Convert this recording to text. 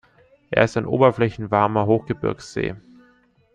Er ist ein oberflächenwarmer Hochgebirgssee.